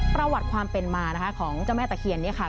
ประวัติความเป็นมาของเจ้าแม่ตะเคียนค่ะ